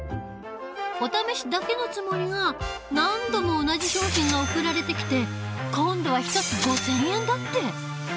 お試しだけのつもりが何度も同じ商品が送られてきて今度は１つ５，０００円だって！